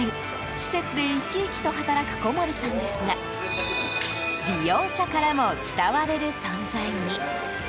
施設で生き生きと働く小森さんですが利用者からも慕われる存在に。